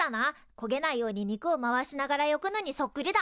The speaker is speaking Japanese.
こげないように肉を回しながら焼くのにそっくりだ。